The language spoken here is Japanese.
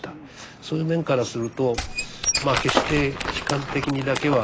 そういう面からするとまあ決して悲観的にだけは見なくてもいいのかなと。